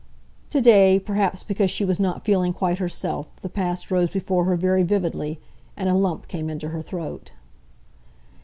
To day, perhaps because she was not feeling quite herself, the past rose before her very vividly, and a lump came into her throat.